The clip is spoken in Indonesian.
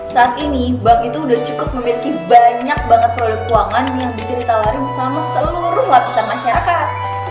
saat ini bank itu sudah cukup memiliki banyak banget produk keuangan yang bisa ditawarin sama seluruh lapisan masyarakat